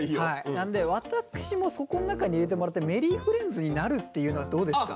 なんで私もそこの中に入れてもらったりＭｅｒｒｙｆｒｉｅｎｄｓになるっていうのはどうですか？